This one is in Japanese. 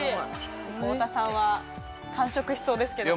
太田さんは完食しそうですけども。